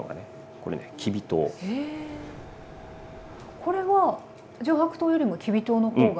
これは上白糖よりもきび糖の方が。